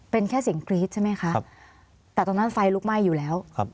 เป็นแค่เสียงกรี๊ดใช่ไหมคะครับแต่ตอนนั้นไฟลุกไหม้อยู่แล้วครับ